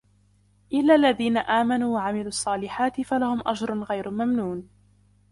إِلَّا الَّذِينَ آمَنُوا وَعَمِلُوا الصَّالِحَاتِ فَلَهُمْ أَجْرٌ غَيْرُ مَمْنُونٍ